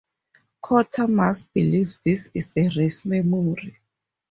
Quatermass believes this is a race memory.